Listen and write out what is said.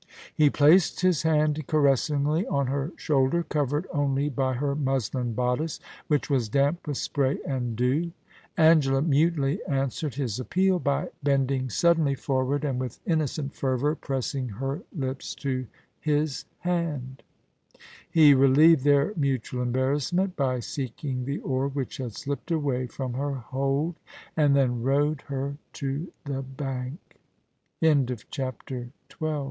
127 He placed his hand caressingly on her shoulder, covered only by her muslin bodice, which was damp with spray and dew. Angela mutely answered his appeal by bending sud denly forward and with innocent fervour pressing her lips to his hand He relieved their mutual embarrassment by seeking the oar which had slipped away from her hold, and t